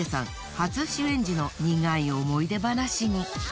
初主演時の苦い思い出話に。